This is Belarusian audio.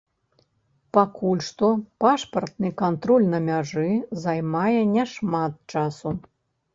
Пакуль што пашпартны кантроль на мяжы займае няшмат часу.